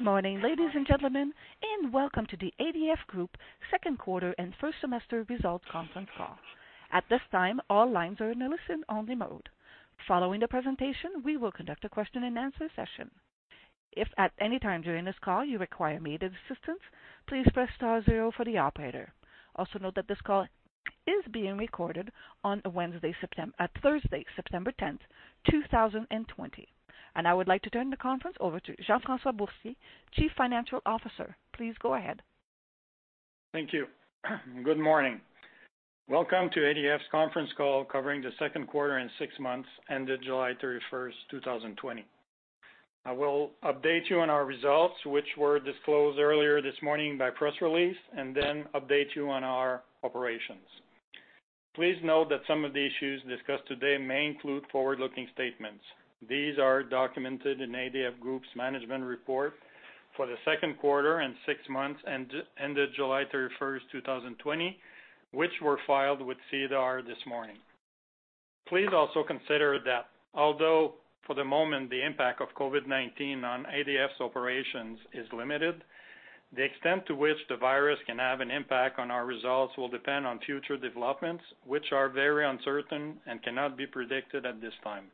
Good morning, ladies and gentlemen, and welcome to the ADF Group second quarter and first semester results conference call. Also note that this call is being recorded on Thursday, September 10th, 2020. I would like to turn the conference over to Jean-François Boursier, Chief Financial Officer. Please go ahead. Thank you. Good morning. Welcome to ADF's conference call covering the second quarter and six months ended July 31st, 2020. I will update you on our results, which were disclosed earlier this morning by press release, and then update you on our operations. Please note that some of the issues discussed today may include forward-looking statements. These are documented in ADF Group's management report for the second quarter and six months ended July 31st, 2020, which were filed with SEDAR this morning. Please also consider that although for the moment, the impact of COVID-19 on ADF's operations is limited, the extent to which the virus can have an impact on our results will depend on future developments, which are very uncertain and cannot be predicted at this time,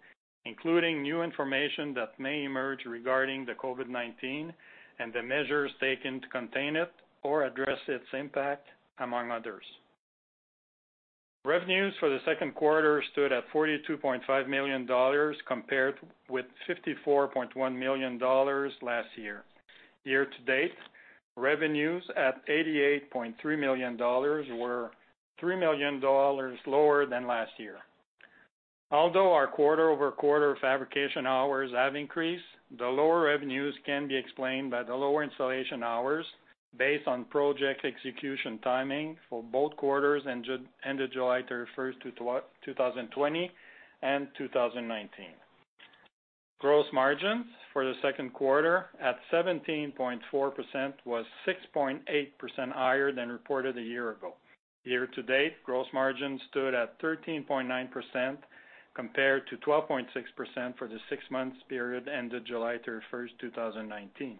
including new information that may emerge regarding the COVID-19 and the measures taken to contain it or address its impact among others. Revenues for the second quarter stood at 42.5 million dollars compared with 54.1 million dollars last year. Year to date, revenues at 88.3 million dollars were 3 million dollars lower than last year. Although our quarter-over-quarter fabrication hours have increased, the lower revenues can be explained by the lower installation hours based on project execution timing for both quarters ended July 31, 2020 and 2019. Gross margins for the second quarter at 17.4% was 6.8% higher than reported a year ago. Year to date, gross margin stood at 13.9% compared to 12.6% for the six months period ended July 31, 2019.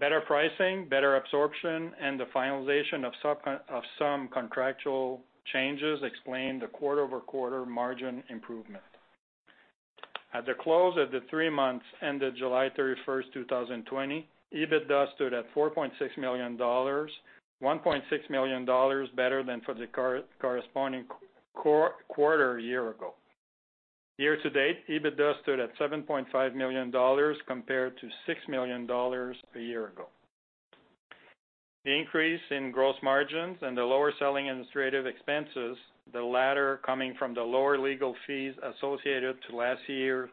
Better pricing, better absorption, and the finalization of some contractual changes explain the quarter-over-quarter margin improvement. At the close of the three months ended July 31, 2020, EBITDA stood at 4.6 million dollars, 1.6 million dollars better than for the corresponding quarter a year ago. Year to date, EBITDA stood at 7.5 million dollars compared to 6 million dollars a year ago. The increase in gross margins and the lower selling administrative expenses, the latter coming from the lower legal fees associated to last year,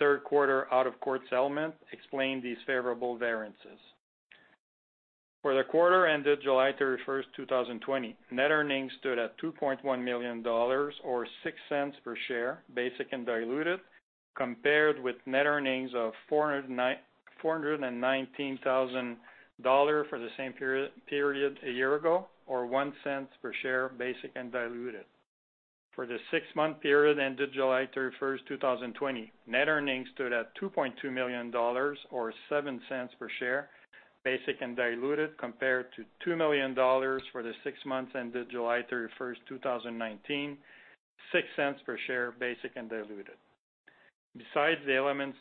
third quarter out of court settlement explained these favorable variances. For the quarter ended July 31st, 2020, net earnings stood at CAD 2.1 million or 0.06 per share, basic and diluted, compared with net earnings of 419,000 dollars for the same period a year ago, or 0.01 per share, basic and diluted. For the six-month period ended July 31st, 2020, net earnings stood at 2.2 million dollars or 0.07 per share, basic and diluted compared to 2 million dollars for the six months ended July 31st, 2019, 0.06 per share, basic and diluted. Besides the elements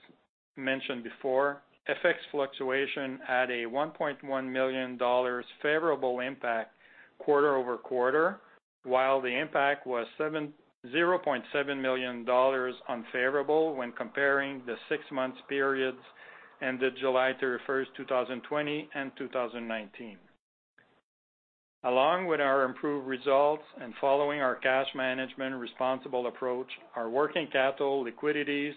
mentioned before, FX fluctuation had a 1.1 million dollars favorable impact quarter-over-quarter, while the impact was 0.7 million dollars unfavorable when comparing the six months periods ended July 31st, 2020 and 2019. Along with our improved results and following our cash management responsible approach, our working capital liquidities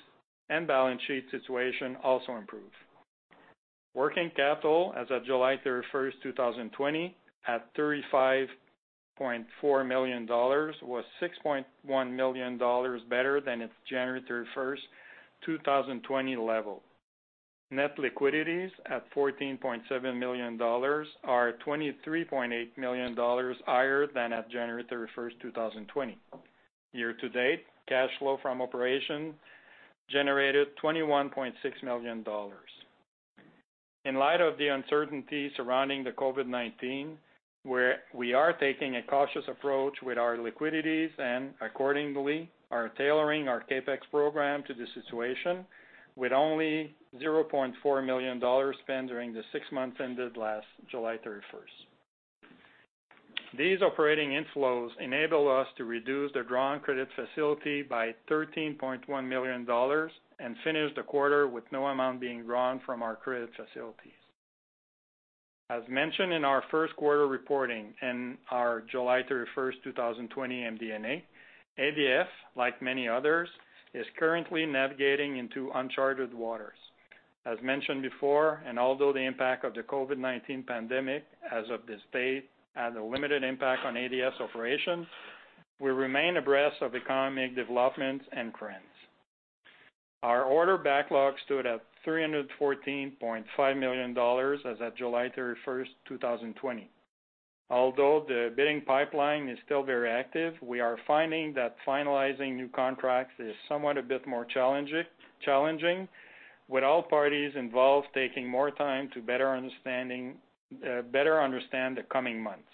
and balance sheet situation also improved. Working capital as of July 31st, 2020, at 35.4 million dollars, was 6.1 million dollars better than its January 31st, 2020, level. Net liquidities at 14.7 million dollars are 23.8 million dollars higher than at January 31st, 2020. Year-to-date, cash flow from operation generated 21.6 million dollars. In light of the uncertainty surrounding the COVID-19, we are taking a cautious approach with our liquidities and accordingly are tailoring our CapEx program to the situation with only 0.4 million dollars spent during the six months ended last July 31st. These operating inflows enable us to reduce the drawn credit facility by 13.1 million dollars and finish the quarter with no amount being drawn from our credit facilities. As mentioned in our first quarter reporting and our July 31st, 2020, MD&A, ADF, like many others, is currently navigating into uncharted waters. As mentioned before, and although the impact of the COVID-19 pandemic as of this date had a limited impact on ADF's operations, we remain abreast of economic developments and trends. Our order backlog stood at 314.5 million dollars as at July 31st, 2020. Although the bidding pipeline is still very active, we are finding that finalizing new contracts is somewhat a bit more challenging, with all parties involved taking more time to better understand the coming months.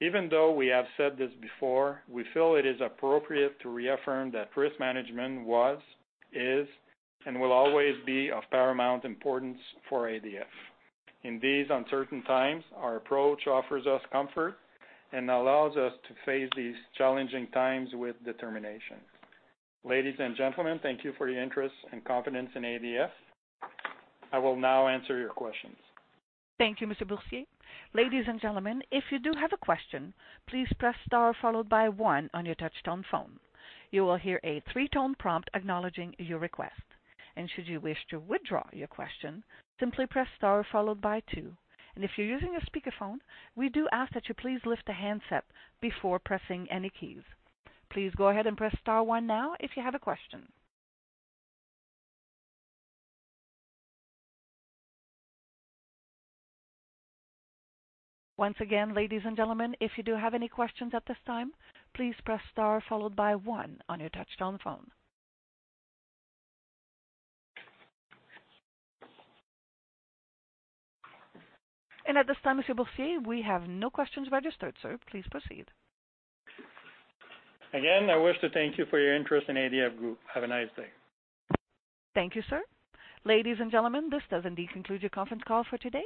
Even though we have said this before, we feel it is appropriate to reaffirm that risk management was, is, and will always be of paramount importance for ADF. In these uncertain times, our approach offers us comfort and allows us to face these challenging times with determination. Ladies and gentlemen, thank you for your interest and confidence in ADF. I will now answer your questions. Thank you, Mr. Boursier. Ladies and gentlemen, if you do have a question, please press Star followed by one on your touchtone phone. You will hear a three-tone prompt acknowledging your request. Should you wish to withdraw your question, simply press Star followed by two. If you're using a speakerphone, we do ask that you please lift the handset before pressing any keys. Please go ahead and press Star one now if you have a question. Once again, ladies and gentlemen, if you do have any questions at this time, please press star followed by one on your touchtone phone. At this time, Mr. Boursier, we have no questions registered, sir. Please proceed. Again, I wish to thank you for your interest in ADF Group. Have a nice day. Thank you, sir. Ladies and gentlemen, this does indeed conclude your conference call for today.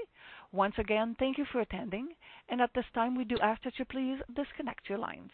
Once again, thank you for attending, and at this time, we do ask that you please disconnect your lines.